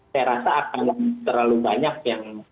saya rasa akan terlalu banyak yang